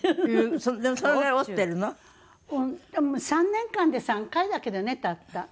３年間で３回だけどねたった。